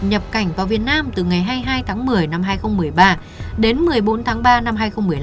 nhập cảnh vào việt nam từ ngày hai mươi hai tháng một mươi năm hai nghìn một mươi ba đến một mươi bốn tháng ba năm hai nghìn một mươi năm